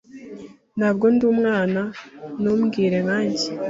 Ntabwo ndi umwana. Ntumbwire nkanjye.